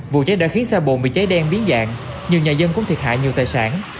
vụ cháy đã khiến xe bồn bị cháy đen biến dạng nhiều nhà dân cũng thiệt hại nhiều tài sản